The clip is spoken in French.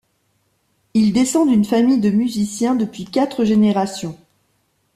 Il descend d'une famille de musiciens depuis quatre générations.